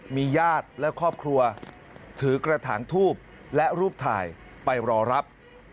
มีญาติและครอบครัวถือกระถางทูบและรูปถ่ายไปรอรับ